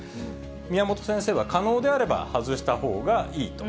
宮本先生は、可能であれば外したほうがいいと。